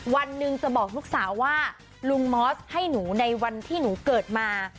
วันหนึ่งจะบอกลูกสาวว่าลุงมอสให้หนูในวันที่หนูเกิดมา